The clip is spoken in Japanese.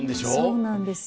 そうなんです。